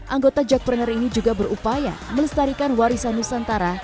anggota jak pernyar ini juga berupaya melestarikan warisan nusantara